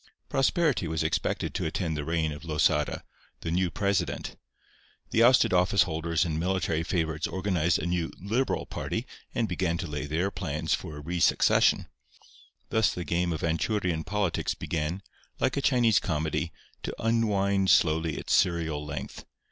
Prosperity was expected to attend the reign of Losada, the new president. The ousted office holders and military favourites organized a new "Liberal" party, and began to lay their plans for a re succession. Thus the game of Anchurian politics began, like a Chinese comedy, to unwind slowly its serial length.